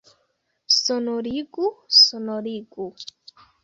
Sonorigu, sonorigu!